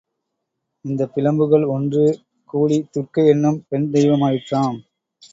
இந்தப் பிழம்புகள் ஒன்று கூடித் துர்க்கை என்னும் பெண் தெய்வமாயிற்றாம்.